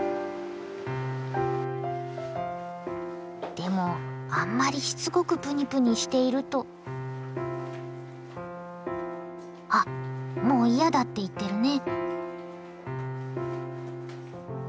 でもあんまりしつこくプニプニしているとあっもう嫌だって言ってるね。